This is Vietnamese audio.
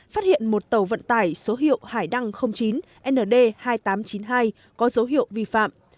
phát hiện một tàu vận tải số hiệu hải đăng chín nd hai nghìn tám trăm chín mươi hai có dấu hiệu vi phạm